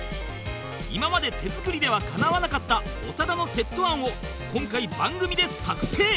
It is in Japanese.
今まで手作りではかなわなかった長田のセット案を今回番組で作成！